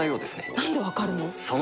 なんで分かるの？